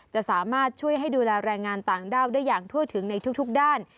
จะสามารถช่วยให้ดูแลแรงงานต่างด้าวได้อย่างทั่วถึงในทุกด้าน